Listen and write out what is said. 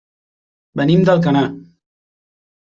Venim d'Alcanar.